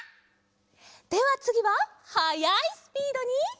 ではつぎははやいスピードに。